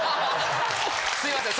すいません